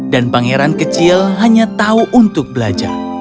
pangeran kecil hanya tahu untuk belajar